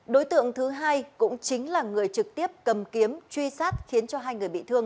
đối tượng thứ hai cũng chính là người trực tiếp cầm kiếm truy sát khiến cho hai người bị thương